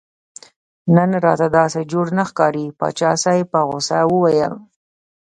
نن راته داسې جوړ نه ښکارې پاچا صاحب په غوسه وویل.